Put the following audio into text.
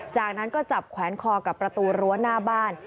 จากนั้นก็จับแขวนคอกับประตูรั้วหน้าบ้าน